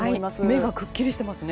目がくっきりしてますね。